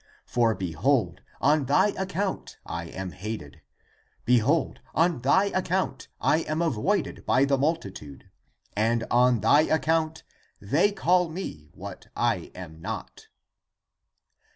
For, be hold, on thy account I am hated; behold, on thy account I am avoided by the multitude, and on thy account they call me what I am not."